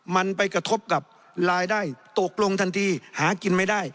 มันไปกระทบกับรายได้ตกลงทันทีหากินไม่ได้